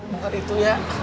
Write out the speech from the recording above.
mungkin itu ya